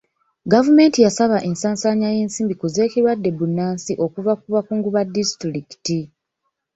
Gavumenti yasaba ensaasaanya y'ensimbi ku z'ekirwadde bbunansi okuva mu bakungu ba disitulikiti.